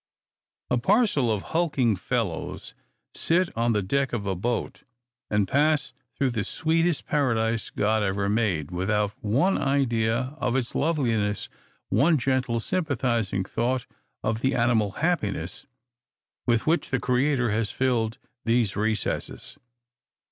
A parcel of hulking fellows sit on the deck of a boat, and pass through the sweetest paradise God ever made, without one idea of its loveliness, one gentle, sympathizing thought of the animal happiness with which the Creator has filled these recesses.